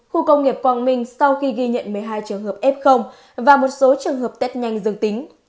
khu công nghiệp quang minh sau khi ghi nhận một mươi hai trường hợp f và một số trường hợp test nhanh dường tính